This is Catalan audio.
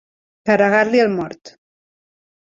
Carregar-li el mort.